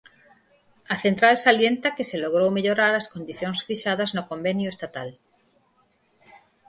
A central salienta que se logrou mellorar as condicións fixadas no convenio estatal.